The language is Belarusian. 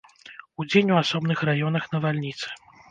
Удзень у асобных раёнах навальніцы.